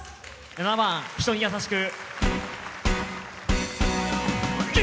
７番「人にやさしく」。